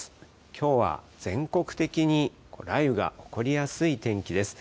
きょうは全国的に雷雨が起こりやすい天気です。